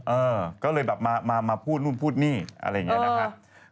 เออก็เลยแบบมาพูดนู่นพูดนี่อะไรอย่างนี้นะครับ